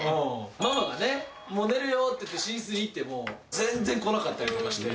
ママがねもう寝るよって言って寝室に行っても全然来なかったりとかして。